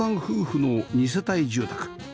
夫婦の二世帯住宅